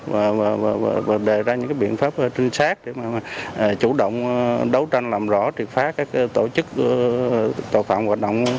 và đề ra những biện pháp trinh sát để chủ động đấu tranh làm rõ triệt phá các tổ chức tội phạm hoạt động